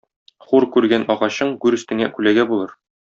Хур күргән агачың гүр өстеңә күләгә булыр.